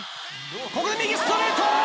ここで右ストレート！